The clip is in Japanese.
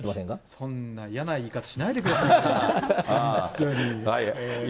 そんな嫌な言い方しないでくださいよ。